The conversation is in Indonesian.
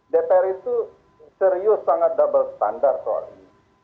dpr itu serius sangat double standard soal ini